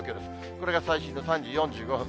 これが最新の３時４５分。